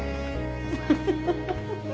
フフフフフ！